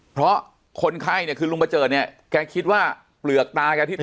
เพราะคนไข้เนี่ยคือลุงประเจิดเนี่ยแกคิดว่าเปลือกตาแกที่เธอ